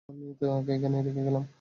আমি তাকে এখানেই রেখে গেলাম!